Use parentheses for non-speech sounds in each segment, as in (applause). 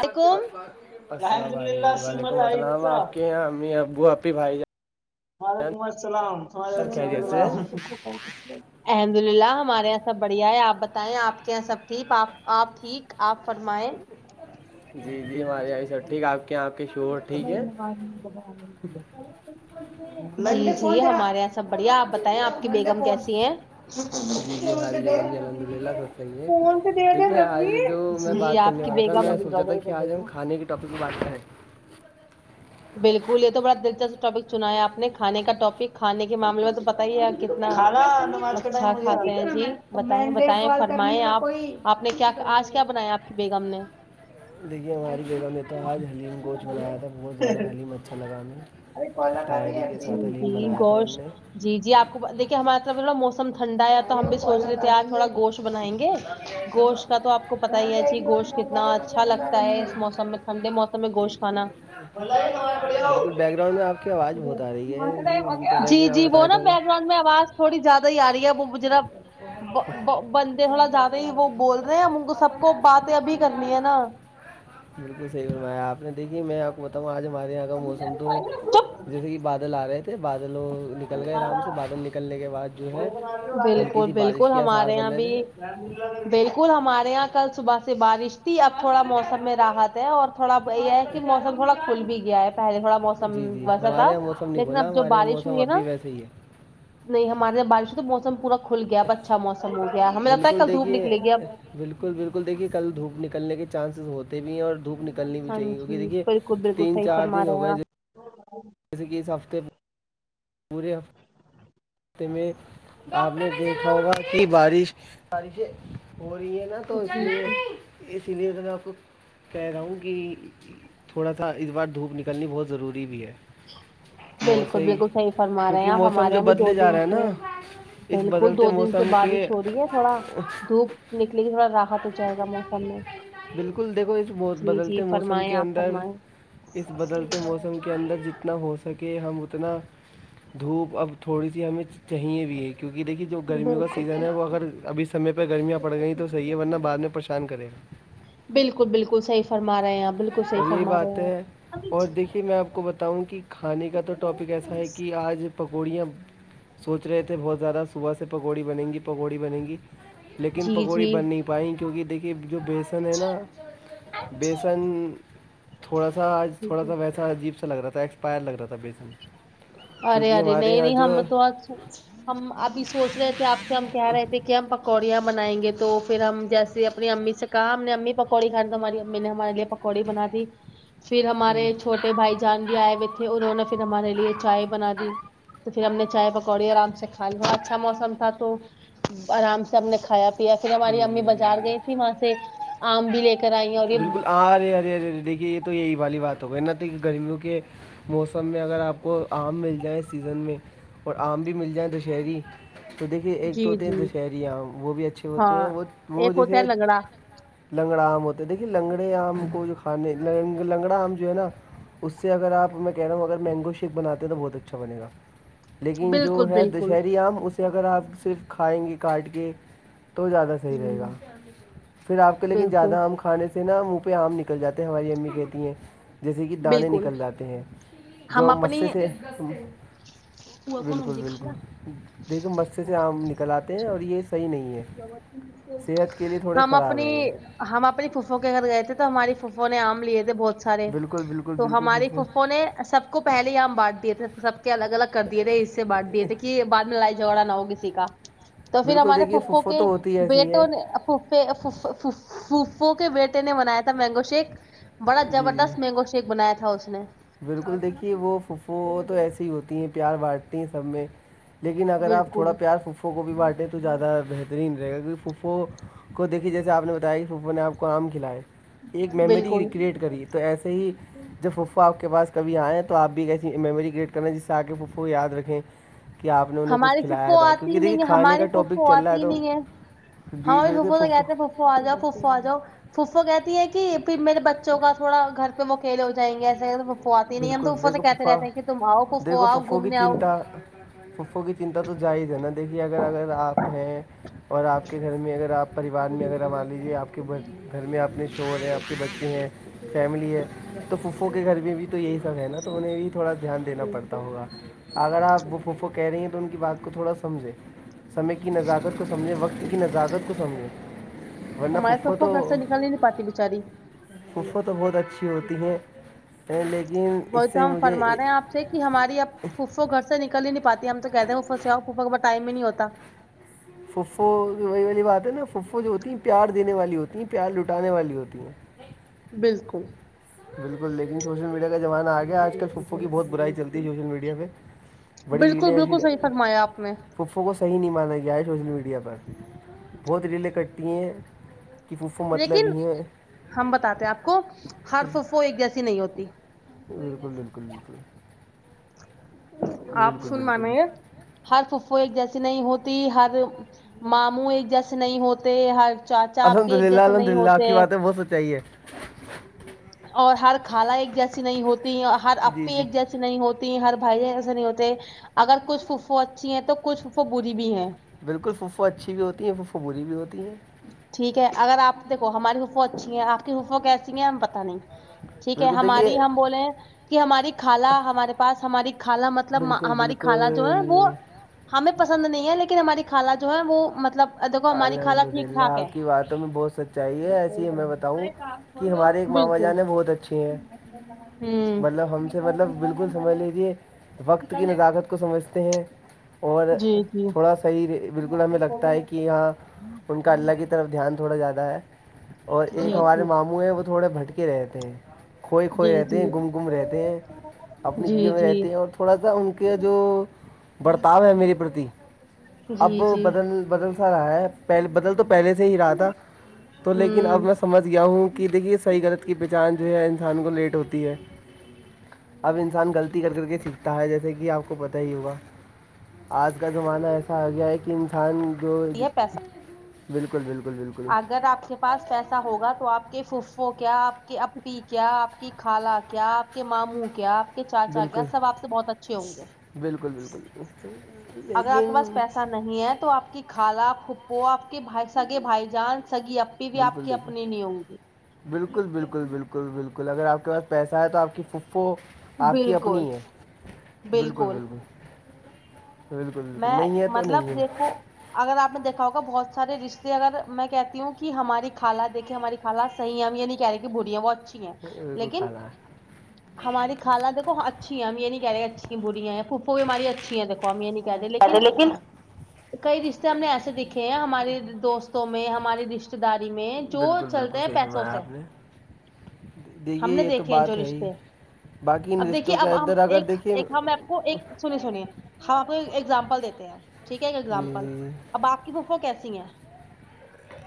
علیکم الحمد اسلام للہ علیکم سم وعلیکم اسلام العشہ آپ کے یہاں امی ابو آ بھائی جان وعلیکم اسلام سب الحمد خیریت سے اللہ الحمد اللہ ہمارے یہاں سب بڑھیا ہے آپ بتائیں آپ کے یہاں سب ٹھیک آپ آپ ٹھیک آپ فرمائیں جی جی ہمارے یہ سب ٹھیک آپ آپ کے شو جی جی جی ہمارے یہاں سب بڑھیا آپ بتائیں آپ کی بیگم کیسی ہیں جی جی ہماری بیگم بھی الحمد للہ سب صحیح ہے دیکھیے آج جو میں (unintelligible) جی بات آپ کرنے کی والا تھا بیگم میں سوچا تھا کہ آج ہم (unintelligible) بلکل یہ تو بڑا دلچسپ ٹاپک چنا ہے آپ نے کھانے کا ٹاپک کھانے کے معاملے میں تو بتائیے آپ کتنا اچھا کھاتے ہیں جی بتائیں بتائیں فرمائ آپ آپ نے کیا آج کیا بنایا آپ کی بیگم نے دیکھیے ہماری گگہ میں تو آج حلیم گوشت بنایا تھا بہت زیادہ حلیم اچھا لگا ہمیں (unintelligible) شاعری کے جی ساتھ حلیم بنایا تھا ان گوش نے جی جی آپ کو دھیے ہماریے طرف موسم ٹھنڈا ہے تو ہم بھی سوچ رہے تھے آپ تھوڑا گوشتنائیں گے گوشت کا تو آپ کو پتا ہی ہے جی گوشت کتنا اچھا لگتا ہے اس موسم میں ٹھنڈے موسم میں گوشت کا کھانا بالکل بیک گاؤنڈ میں آپ (unintelligible) آ رہی ہے تو جی میں جی آپ وہ بتانا نا چاہوں گا بککگروند میں آواز تھوڑی زیادہ ہی آ رہی ہے وہ جرا (unintelligible) تھوڑا زیادہ ہی وہ بول رہے ہیں ہم ان سب کو باتیں ابھی کرنی ہے نا بالکل صحیح فرمایا آپ نے دیکھی میں (unintelligible) بتا ہ آج ہمارے یہاں کا موسم تو چپ جیسے کہ بادل آ رہے سے بادلوں نکل گئے آرام سے بادل نکلنے گئے بالکل بالکل کے آثار ہمارے یہاں بن رہے بھی تھے بالکل ہمارے یہاں کل صبح سے بارش تھی اب تھوڑا موسم میں راحت ہے اور تھوڑا یہ ہے کہ موسم تھوڑا کھل بھی گیا ہے پہے تھوڑا موسم جی جی وسا ہمارے تھا یہاں موسم نہیں لیکن کھلا اب جو ہمارے یہاں بارش موسم ہوئی ہے اب بھی نا ویسے ہی ہے نہیں ہمارے یہاں بارش ہے تو موسم پورا کھل گیا اچھا موسم ہو گیا ہمیں لگتا ہے بالکل کل دھوپ دیکھیے نکلے گی اب بالکل بالکل دیکھیے کل دھوپ نکلنے کے چانسز ہوتے بھی ہیں اور دھوپ نکلنی بھی ہاں چاہیے کیکہ جی دیکھیے بالکل بالکل تین صحیح چار فرما دن رہے ہو ہیں گئے آپ جیسے کہ اس ہفتے ب پورے ہفتے تے میں آپ نے دیکھا ہوگا کہ بارش بارشیں ہو رہی ہیں نہ تو اس جی لیے جی اسی لیے اگر آپ کہہ رہا ہوں کہ تھوڑا سا اس بار دھوپ نکلنی بہت ضروری بھی ہے بالکل موسم بالکل صحی فرما رہے ہیں کیونکہ اپ موسم ہمارے جو یہاں بھی دو بدلے جا دن رہا ہے سے نا اس بالکل بدلتے دو دن سے موسم کے بارش ہو رہی ہے تھوڑا دھوپ نکل گی تھوڑا را حات ہو جائے گا موسم میں بالکل دیکھو اس مو- جی جی بدلتے موسم فرمائائے کے آپ اندر فرمائیں اس بدلتے موسم کے اندر جتنا ہو سکے ہم اتنا دھوپ اب تھوڑی سی ہمیں چاہیے بھی کیونکہ دیکھئے جو گرمیوں کا بالکل سیزن ہے وہ اگر اب اس سمے پہ گرمیاں پڑھ گیی تو سہی ہے ورنہ بعد میں پریشان کرے گا بالکل بالکل صحیح فرما رہے آپ بالکل صحیح فرما رہے ہیں آپ کہ میں آپ کو بتاؤں کہ کھانے کا تو ٹاپک ایسا ہے کہ آج پکوڑیاں سوچ رہے تھے بہت زیادہ صبح سے پکوڑی بنیں گی پکوڑی بنیں گی لیکن جی پکوڑی جی بن نہیں پائی کیونکہ دیکھیے جو بیسن ہے نا بیسن تھوڑا سا آج جی تھوڑا جی سا ویسا جیب س لگ رہا تھا ایکسپائر لگ رہا تھا بی ارے ارے نہیں نہیں جو ہم تو آج ہم ابھی سوچ رہے تھے آپ سے ہم کہہ رہے تھے کہ ہم پکوڑیاں بنائیں گے تو پھر ہم جیسے اپنی امی سے کہا ہم نے امی پکوڑی کہانی تو ہماری امی نے ہمارے لیے پکوڑی بنا دی پھر ہمارے جی چھوٹے بھائی جان بھی آئے ہوئے تھے انہوں نے پھر ہمارے لیے چائے بنا دی تو پھر ہم نے چائے پکوڑی آرام سے کھا لی ب اچھا موسم تھا تو آرام سے ہم نے کھایا پیا پھر ہماری جی امی جی بازار جی گئی تھی وہاں سے آم بھی لے کے بالکل آ ارے ارے ارے دیکھیے یہ تو یہی والی بات ہوگئی نہ تو کہ گرمیوں کے موسم میں اگر آپ کو آم مل جائےیں اس سیزن میں اور آم بھی مل جائیں دشہری تو دیکھیے ایک تو جی ہوتے ہیں جی دشہرے عام وہ بھی اچھے ہوتے ہیں ہاں وہ وہ ایک ہوتا ہے جیسے لگڑا لنگڑا آم ہوتا ہے دیکھیے لنگڑے آم کو جو کھانے لنگڑا آم جو ہے نا اس سے اگر آپ میں کہہ رہا ہوں اگر مینگو شیک بنے ہیں تو بہت اچھا بنے گا لیکن جو بالکل ہے بالکل دشہری عام اسے اگر آپ صرف کھائیں گے کاٹ کے تو زیادہ صحیح رہے ہوں گا پھر آپ کے لیکن زیادہ بالکل آم کھا کھانے سے نا منہ پہ آم نکل جاتے ہیں ہماری امی کہتی ہیں جیسے کہ دانے بالکل نکل جاتے ہیں ہم جو اپنی مسےسے پوا کو بالکل نمج بالکل خالا دیکھیے مسے سے کو آم نکل آتے ہیں اور یہ صحیح نہیں ہے صحت کے لیے تھوڑے ہم خراب اپنی ہیں یہ ہم اپنی پھپو کے گھر گئے تھے تو ہماری پھپو نے آم لیے تھے بہت سارے بالکل بالکل تو بالکل ہمارے پھوپھو پھپو نے سب کو پہے ہی آ م بانٹ دیے تھے سب کے الگ الگ کر دیے تھے اس سے بانٹ دیے تھے کہ بعد میں لائی جھگڑا نہ ہو کسی کا تو پھر بالکل ہمارے دیکھیے پھپو پھوپھو کے تو ہوتی ایسی ہیں بیٹوں نے پھپوکے بیٹے نے بنایا تھا مینگو شیک بڑا جی جی زبردست مینگو شیک بنایا تھا اس نے بالکل دیکھیے وہ پھپو تو ایسی ہوتی ہیں پیار بانٹتی ہیں سب میں لیکن اگر آپ تھوڑا بالکل پیار پھپوکو بھی بانٹیں تو زیادہ بہتر ترین رہے گا کیونکہ پھپو کو دیکھیے جیسے آپ نے بتایا کہ پھپو نے آپ کو آم کھیلائے ایک میموری بالکل ریکرییٹ کری تو ایسے ہی جب پھپپو آپ کے پاس کبھی آے توآ پ بھی ایک ایسی میموری کریٹ کرنا جس سے آگے پھپپو یاد رکھیں کہ آپ نے انہیں کچھ ہماری کھلایا پھپپو تھا کیونکہ آتی دیکھیے نہیں ہے کھانے ہماری کا ٹاپک پھپپو چل رہا آتی تو نہیں ہے ہاں جی بھی بالکل پھپپو سے پھوپھو کہتے پھپپو آ جاؤ پھپپو آ جاؤ پھپپو کہتی ہے کی پھر میرے بچوں کا تھوڑا گھر پہ وہ آکیلے ہو جائیں گے ایسے پھپپو آتی نہیں ہم تو بالکل پھپپو دیکھو سے کہتے پھوپھا رہتے ہیں تم آؤ پھپپو آؤ گھومنے آؤ پھپپو کی چنتا تو جائز ہے نا دیکھیے اگر اگر آپ ہیں اور آپ کے گھر میں اگر آپ پریوار میں اگر مان لیجیے آپ کے گھر میں اپنے شوہر ہیں آپ کے بچے ہیں فیملی ہے تو پھپپو کے گھر میں بھی تو یہی سب ہے نا تو انہیں بھی تھوڑا دھیان دینا پڑتا ہوگا اگر آپ وہ پھوپھو کہہ رہی ہیں تو ان کی بات کو تھوڑا سمجھیں سمے کی نزاکت کو سمجھیں وقت کی نزاکت کو سمجھیں ورنہ ہمارے پھوپھو تو گھر سے نکل ہی نہیں پاتی بیچاری پھوپھو تو بہت اچھی ہوتی ہیں لیکن اس وہی تو سے ہم فرما مجھے رہے ہیں آپ سے کہ ہماری اب پھو پھو گھر سے نکل ہی نہیں پاتی ہم تو کہتے پھوپھو کے پاس ٹائم ہی نہیں ہوتا پھوپھو وہی والی بات ہے نا پھو پھو جو ہوتی ہیں پیار دینے والی ہوتی ہیں پیار لٹانے والی ہوتی ہیں بالکل بالکل لیکن سوشل میڈیا کا زمانہ آ گیا آج کل پھپھو کی بہت برائی چلتی ہے سوشل میڈیا پہ بالکل بالکل صحیح فرمایا آپ نے پھوپھو کو صحیح نہیں مانا گیا ہے سوشل میڈیا پر بہت ریلیں کٹتی ہیں پھپھو مطلب لیکن یہ ہے ہم بتاتے ہیں آپ کو ہر پھپپو ایک جیسی نہیں ہوتی بالکل بالکل بالکل آپ بالکل بالکل (unintelligible) ہر پھو ایک جیسی نہیں ہوتی ہر ماموں ایک جیسے نہیں ہوتے ہر چاچا آپ الحمد کے ایک للہ جیسے الحمد نہیں للہ آپ کی ہوتے باتیں بہت سچائی ہے اور ہر خالہ ایک جیسی نہیں ہوتی ہر جی آپی جی ایک جیسی نہیں ہوتی ہوتی ہر بھائی ایسے نہیں ہوتے اگر کچھ پھپھو اچھی ہیں تو کچھ پھپھو بری بھی ہیں بالکل پھوپھو اچھی بھی ہوتی ہیں پھو پھو بری بھی ہوتی ہیں ٹھیک ہے اگر آپ دیکھو ہماری پھپپو اچھی ہیں آپ کی پھپپو کیسی ہیں ہم پتہ نہیں ٹھیک ہے بالکل ہماری دیکھیے ہم بولے کہ ہماری خالہ ہمارے پاس ہماری خالہ مطلب بالکل ہماری خالہ جو ہے وہ بالکل ہمیں پسند نہیں ہے لیکن ہماری خالہ جو ہے وہ مطلب دیکھو ہماری خالہ ٹھیک اللہ ٹھاک ہے آپ کی بات تو ہمیں بہت سچ چاہیے ایسے ہی میں بتاؤں کہ ہمارے ایک ماما بالکل جان ہیں بہت اچھے ہیں ہوں مطلب ہم سے مطلب بالکل سمجھلیجے وقت کی نزاکت کو سمجھتے ہیں اور جی جی تھوڑا سا ہی بالکل ہمیں لگتا ہے کہ کی یا ان کا اللہ کی طرف دھیان تھوڑا زیادہ ہے اور ایک جی ہمارے جی مامو ہے وہ تھوڑے بھٹکے رہتے ہیں کھوئے کھوئے جی رہتے جی ہیں گم گم رہتے ہیں اپنی جی جیزوں میں جی رہتے ہیں اور تھوڑا سا ان کے جو برتاؤ ہے میری پردی اب جی جی بدل بدل سا رہا ہے پہل بدل تو پہلے سے ہی رہا تھا تو لیکن اب ہوں میں سمجھ گیا ہوں کہ دیکھیے صحیح غلط کی پہچان جو ہے انسان کو لیٹ ہوتی ہے اب انسان غلطی کر کر کے سیکھتا ہے جیسے کہ اپ کو پتا ہی ہوگا اج کا زمانہ ایسا ا گیا ہے کہ انسان جو یہ پیسے بالکل بالکل بالکل اگر آپ کے پاس پیسہ ہوگا تو آپ کے پفو کیا اپ کے اپی کیا اپ کی خالہ کیا اپ کے مامو کیا اپ کے چاچا کیا بالکل سب اپ سے بہت اچھے ہوں گے بالکل بالکل اگر اپ کے پاس لیکن پیسہ نہیں ہے تو اپ کی خالہ پھپو اپ کے بھائی سگے بھائی جان سگ پبھی آپ بالکل کی اپنی دیکھیے نہیں ہوں گی بالکل بالکل بالکل بالکل اگر اپ کے پاس پیسہ ہے تو آپ کی فھفھو آپ کی بالکل اپنی ہے بالکل بالکل بالکل بالکل میں نہیں ہے تو نہیں مطلب ہے دیکھو اگر اپ نے دیکھا ہوگا بہت سارے رشتے اگر میں کہتی ہوں کہ ہماری خالہ دیکھے ہماری خالہ صحیح ہیں ہم یہ نہیں کہہ رہے کہ بڑیاں بہت اچھی ہیں کو لیکن کھانا ہے ہماری خالہ دیکھو اچھی ہے ہم یہ نہیں کہہ رہے اچھی بریاں ہیں پھوپو بھی ہماری اچ یہ دیکھو ہم یہ نہیں کہہ رہے ہیں لیکن کئی رشتہ میں ایسے دیکھے ہیں ہمارے دوستوں میں ہماری داری میں جو بالکل چلتے بالکل ہیں صحیح پیسوں فرمایا سے آپ نے ہم دیکھیے نے یہ تو دیکھے ہیں جو بات ہے ہی رشتے باقی ان اب دیکھیے رشتوں کے اب ہم اندر اگر ایک دیکھیے ایک ہم کو ایک سنی سنیے ہم ایگزامپل دیتے ہیں ٹھیک ہے ایک جی ایگزامپل اب اپ کی پھپھو کیسی ہیں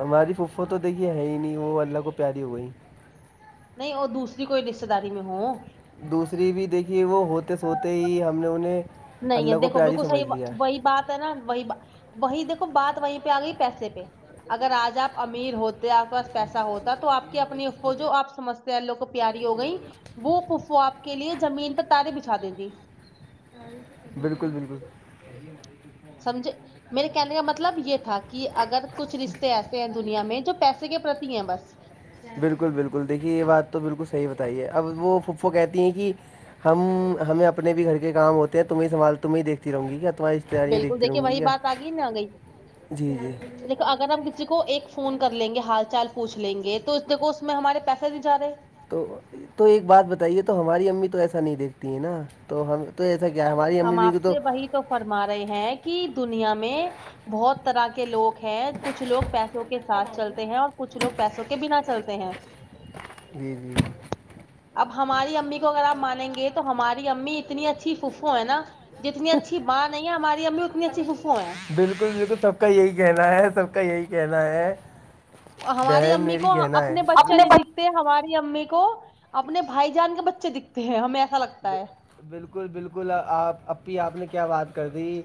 ہماری فھفھو تو دیکھیے ہے ہی نہیں وہ اللہ کو پیاری ہو گئی نہیں اور دوسری کوئی رشتے داری میں ہو دوسری بھی دیکھیے وہ ہوتے سوتے ہی ہم نے انہیں نہیں ہے اللہ کو دیکھو پیاری بالکل صحیح سمجھ لیا ہے وہی بات تنا ویبہہ وہی وہی دیکھو بات وہیں پہ اگئی پیسے پہ اگر اج اپ امیر ہوتے اپ کے پاس پیسہ ہوتا تو اپ کے اپنی ہو جو اپ سمھجتے ہیں اللہ کو پیاری ہو گئی وہ پف وہ اپ کے لیے زمین پر تارے بچھا دیتے بالکل بالکل سمجھے میرے کہنے کا مطلب یہ تھا کہ اگر کچھ رشتے ایسے ہیں دنیا میں جو پیسے کے پرتی ہیں بس بالکل بالکل دیکھیے یہ بات تو بالکل صحیح بتائیے اب وہ پھو پھو کہتی ہیں کہ ہم ہمیں اپنے بھی گھر کے کام ہوتے ہیں تمہیں تمہیں دیکتی رہوں گی کیا تماری بالکل دیکھیں وہی بات اگئی نہ گئی جی جی اگر ہم کسی کو ایک فون کر لیں گے ہال چال پوچھ لیں گے تو اس دیکھو اس میں ہمارے پیسے نہیں جا رہے تو تو ایک بات بتائیے تو ہماری امی تو ایسا نہیں دیکھتی ہیں نا تو ہم تو ایسا کیا ہماری امی ہم بی کو آپ تو سے وہی تو فرما رہے ہیں کہ دنیا میں بہت طرح کے لوگ ہیں کچھ لوگ پیسوں کے ساتھ چلتے ہیں اور کچھ لوگ پیسوں کے بنا چلتے ہیں جی جی اب ہماری امی کو اگر آپ مانیں گے تو ہماری امی اتنی اچھی پھوپھو ہے نا جتنی اچھی ماں نہیں ہے ہماری امی اتنی اچھی پھوپھو ہیں بالکل بالکل سب کا یہی کہنا ہے سب کا یہی کہنا ہے ہماری بہن امی میری کو کہنا ہے اپنے بچے نہیں دکھ ہماری امی کو اپنے بھائی جان کے بچے دیکھتے ہیں ہمیں ایسا لگتا ہے بالکل بالکل آپ اپنی آپ نے کیا بات کر دی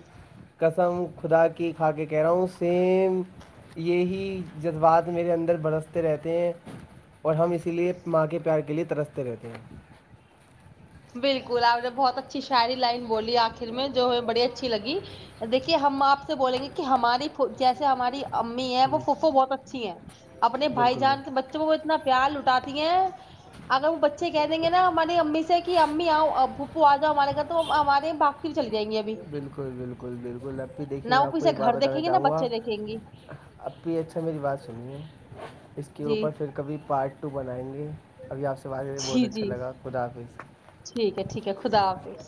قسم خدا کی کھا کے کہہ رہا ہوں سیم یہی جذبات میرے اندر برستے رہتے ہیں اور ہم اسی لیے ماں کے پیار کے لیے ترستے رہتے ہیں بالکل آپ نے بہت اچھی شاعری لائن بولی آخر میں جو ہم بڑی اچھی لگی دیکھیے ہم آپ سے بولیں گے کہ ہماری جیسے ہماری امی ہیں وہ ہوں، پھوپھو بہت اچھی ہیں اپنے بھائی بالکل بالکل جان کے بچے وہ اتنا پیار لٹاتی ہیں اگر وہ بچے کہہ دیں گے نا ہماری امی سے کہ امی پھوپھو آ جاؤ ہمارے گھر تو ہمارے باق بالکل بالکل بالکل اب بھی دیکھیے نہ میں وہ آپ کو پیچھے ایک بات گھر بتانا دیکھیں گے نہ چاہوں گا بچے دیکھیں گی اب بھی اچھا میری بات سنیے اس کے جی اوپر پھر کبھی پارٹ ٹو بنائیں گے ابھی آپ سے بارے بہت جی اچھا جی لگا خداحافظ ٹھیک ہے ٹھیک ہے خدا حافظ